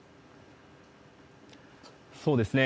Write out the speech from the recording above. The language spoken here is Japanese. そうですね。